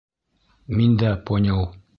Миндә понял.